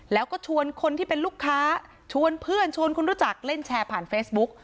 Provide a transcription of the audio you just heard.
แล้วก็ชวนคนที่เป็นลูกค้าชวนเพื่อนชวนคนรู้จักเล่นแชร์ผ่านเฟซบุ๊ก